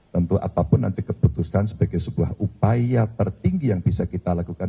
tentu apapun nanti keputusan sebagai sebuah upaya tertinggi yang bisa kita lakukan